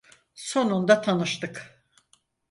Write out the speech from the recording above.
Sonunda tanıştık.